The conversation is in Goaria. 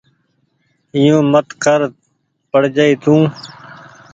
ائيو مت ڪر پڙجآئي تو۔